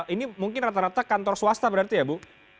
ini mungkin rata rata kantor swasta berarti ya bu